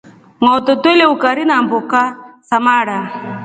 Ngoto twelya ukari namboka za mara.